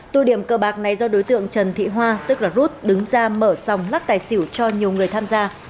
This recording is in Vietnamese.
tụ điểm cờ bạc này do đối tượng trần thị hoa đứng ra mở sòng lắc tài xỉu cho nhiều người tham gia